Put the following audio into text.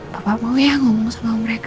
papa mau ya ngomong sama mereka